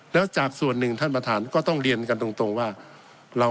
แล้วจากส่วนหนึ่งท่านประธานก็ต้องเรียนกันตรงว่า